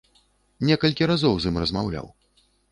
Некалькі разоў з ім размаўляў.